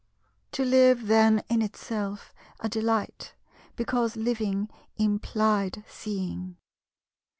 To live then in itself a delight, because living implied seeing.